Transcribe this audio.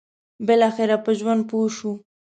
بالاخره په ژوند پوه شو.